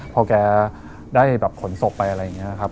พอแกได้แบบขนศพไปอะไรอย่างนี้ครับ